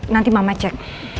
nanti mama cek